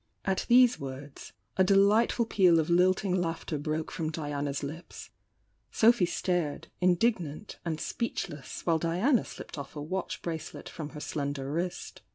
At these words, a delightful peal of lilting laugh ter broke from Diana's lips. Sophy f^red indig nant and speechless, while Diana slipped off a watch bracelet from her slender wrist.